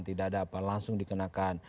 tidak ada apa langsung dikenakan